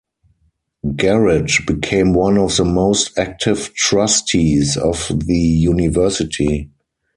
Garrett became one of the most active trustees of the university.